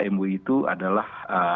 mui itu adalah